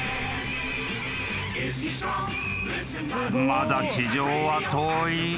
［まだ地上は遠い。